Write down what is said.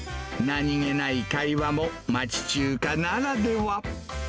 何気ない会話も、町中華ならでは。